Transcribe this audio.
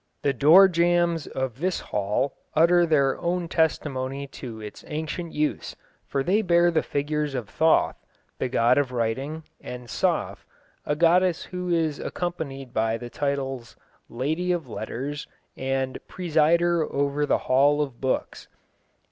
The door jambs of this hall utter their own testimony to its ancient use, for they bear the figures of Thoth, the god of writing, and Saf, a goddess who is accompanied by the titles "Lady of Letters" and "Presider over the Hall of Books."